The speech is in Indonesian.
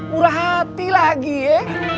pura hati lagi ya